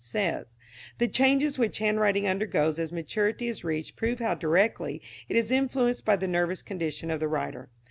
says: "The changes which handwriting undergoes as maturity is reached prove how directly it is influenced by the nervous condition of the writer.